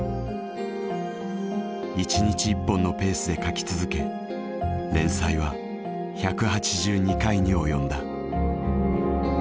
１日１本のペースで書き続け連載は１８２回に及んだ。